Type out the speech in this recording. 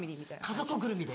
家族ぐるみです。